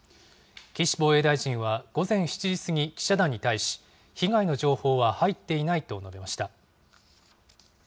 岸防衛大臣は、午前７時過ぎ、記者団に対し、被害の情報は入っていないと述べました。